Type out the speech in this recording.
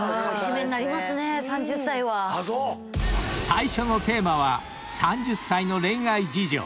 ［最初のテーマは３０歳の恋愛事情］